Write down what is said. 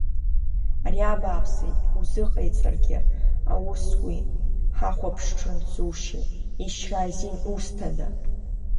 Ари абааԥсы узыҟаиҵазаргьы иус ҳа ҳахәаԥшрын, дзушьи, ишьра азин узҭада?